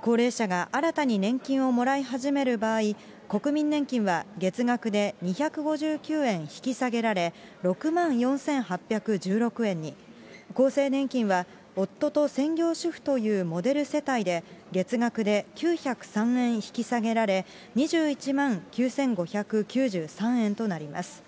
高齢者が新たに年金をもらい始める場合、国民年金は月額で２５９円引き下げられ、６万４８１６円に、厚生年金は夫と専業主婦というモデル世帯で、月額で９０３円引き下げられ、２１万９５９３円となります。